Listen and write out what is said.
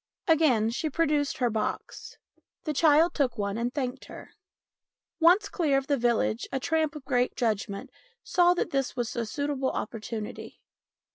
Again she produced her box. The child took one and thanked her. Once clear of the village a tramp of great judgment saw that this was a suitable opportunity.